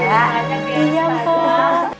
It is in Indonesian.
iya tenang aja